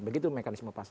begitu mekanisme pasar